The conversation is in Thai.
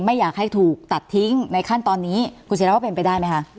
ไม่อยากให้ถูกตัดทิ้งในขั้นตอนนี้คุณศิราว่าเป็นไปได้ไหมคะ